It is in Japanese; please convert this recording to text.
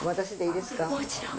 もちろん。